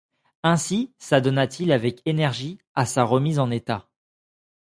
Aussi s’adonna-t-il avec énergie à sa remise en état.